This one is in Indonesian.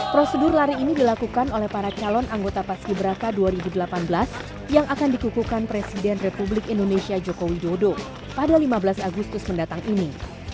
prosedur lari ini dilakukan oleh para calon anggota paski beraka dua ribu delapan belas yang akan dikukukan presiden republik indonesia joko widodo pada lima belas agustus mendatang ini